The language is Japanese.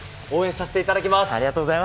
応援させていただきます。